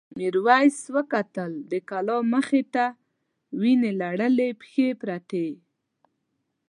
میرويس وکتل د کلا مخې ته وینې لړلې پښې پرتې.